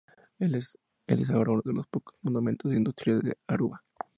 Él es ahora uno de los pocos monumentos industriales de Aruba.